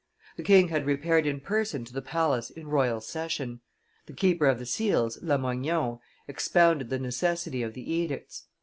The king had repaired in person to the palace in royal session; the keeper of the seals, Lamoignon, expounded the necessity of the edicts.